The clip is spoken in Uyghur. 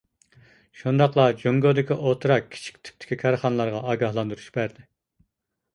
شۇنداقلا جۇڭگودىكى ئوتتۇرا كىچىك تىپتىكى كارخانىلارغا ئاگاھلاندۇرۇش بەردى.